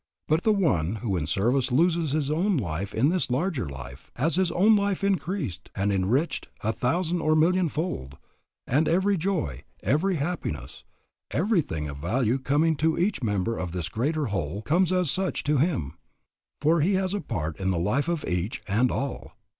But the one who in service loses his own life in this larger life, has his own life increased and enriched a thousand or a million fold, and every joy, every happiness, everything of value coming to each member of this greater whole comes as such to him, for he has a part in the life of each and all.